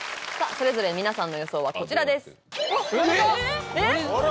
それぞれ皆さんの予想はこちらですわっ割れた！